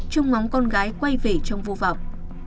trông ngóng con gái quay về trong vô vọng